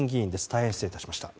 大変、失礼致しました。